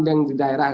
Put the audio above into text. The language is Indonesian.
yang di daerah